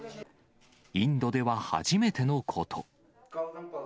インドでは初めてのこと。